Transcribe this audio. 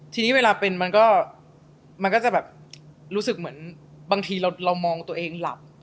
ทีนี้เวลาเป็นมันก็จะแบบรู้สึกเหมือนบางทีเรามองตัวเองหลับ